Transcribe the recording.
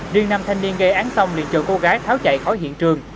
riêng nam thanh niên gây án xong liền chờ cô gái tháo chạy khỏi hiện trường